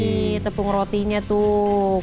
ini tepung rotinya tuh